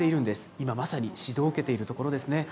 今まさに指導を受けているところですね。